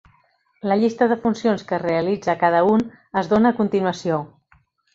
La llista de funcions que realitza cada un es dóna a continuació.